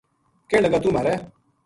کہن لگا توہ مھارے